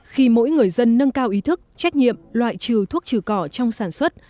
khi mỗi người dân nâng cao ý thức trách nhiệm loại trừ thuốc trừ cỏ trong sản xuất